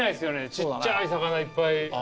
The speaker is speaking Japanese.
ちっちゃい魚いっぱい。